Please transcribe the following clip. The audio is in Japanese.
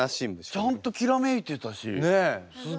ちゃんときらめいてたしすごい。